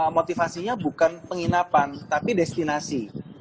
motivasinya bukan penginapan tapi destinasi